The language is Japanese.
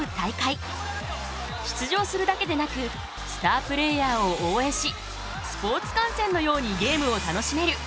出場するだけでなくスタープレーヤーを応援しスポーツ観戦のようにゲームを楽しめる。